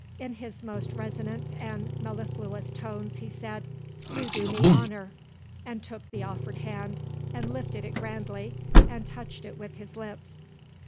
In his most resonant and mellifluous tones, he said, "You do me honour " and took the offered hand, and lifted it grandly, and touched it with his lips.